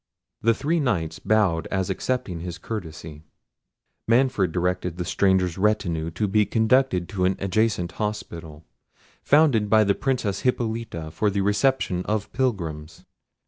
The three Knights bowed as accepting his courtesy. Manfred directed the stranger's retinue to be conducted to an adjacent hospital, founded by the Princess Hippolita for the reception of pilgrims.